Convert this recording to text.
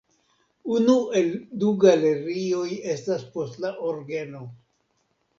Unu el du galerioj estas post la orgeno.